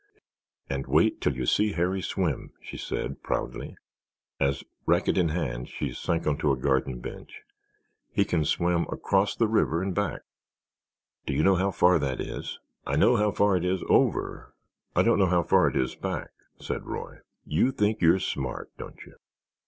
"And wait till you see Harry swim!" she said proudly, as, racket in hand, she sank onto a garden bench; "he can swim across the river and back; do you know how far that is?" "I know how far it is over; I don't know how far it is back," said Roy. "You think you're smart, don't you!"